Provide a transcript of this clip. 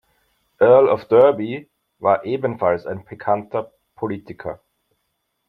Earl of Derby war ebenfalls ein bekannter Politiker.